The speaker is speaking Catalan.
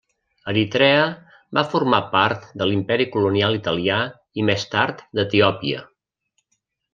Eritrea va formar part de l'Imperi colonial italià i més tard d'Etiòpia.